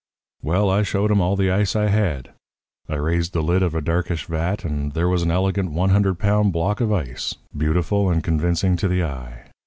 "Well, I showed 'em all the ice I had. I raised the lid of a darkish vat, and there was an elegant 100 pound block of ice, beautiful and convincing to the eye.